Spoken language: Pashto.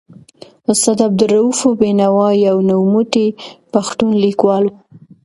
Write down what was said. استاد عبدالروف بینوا یو نوموتی پښتون لیکوال و.